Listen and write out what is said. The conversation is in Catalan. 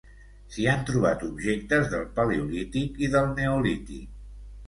S'hi han trobat objectes del paleolític i del neolític.